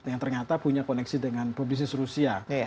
yang ternyata punya koneksi dengan pebisnis rusia